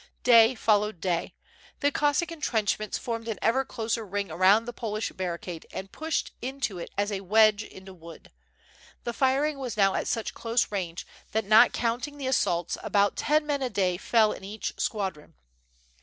Day followed day. The Cossack entrenchments formed an ever closer ring around the Polish barricade and pushed into it as a wedge into wood. The firing was now at such close range that, not counting the assaults, about ten men a day fell in each squadron.